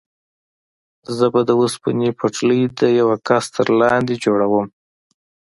زه به د اوسپنې پټلۍ د یوه کس تر نظر لاندې جوړوم.